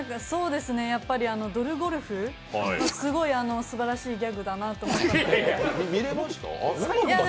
ドルゴルフがすごいすばらしいギャグだなと思ったんで。